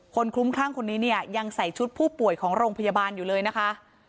คลุ้มคลั่งคนนี้เนี่ยยังใส่ชุดผู้ป่วยของโรงพยาบาลอยู่เลยนะคะ